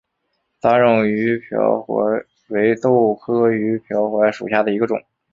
杂种鱼鳔槐为豆科鱼鳔槐属下的一个种。